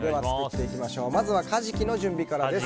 まずはカジキの準備からです。